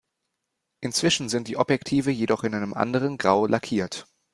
Inzwischen sind die Objektive jedoch in einem anderen Grau lackiert.